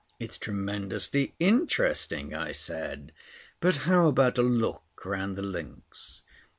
"It's tremendously interesting," I said. "But how about a look round the links?"